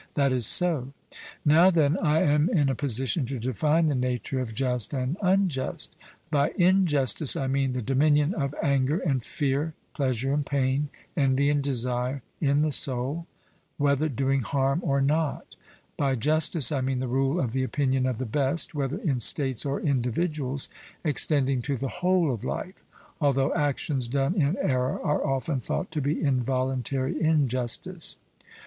'That is so.' Now, then, I am in a position to define the nature of just and unjust. By injustice I mean the dominion of anger and fear, pleasure and pain, envy and desire, in the soul, whether doing harm or not: by justice I mean the rule of the opinion of the best, whether in states or individuals, extending to the whole of life; although actions done in error are often thought to be involuntary injustice.